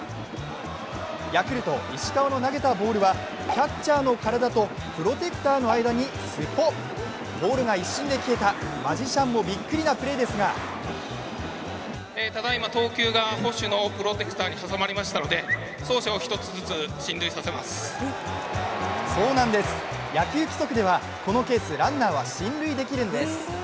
ヤクルト・石川の投げたボールはキャッチャーの体とプロテクターの間にスポッ・ボールが一瞬で消えたマジシャンもびっくりなプレーですがそうなんです、野球規則ではこのケース、ランナーは進塁できるんです。